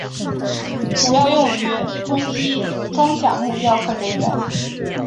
主要用于攻击装甲目标和人员。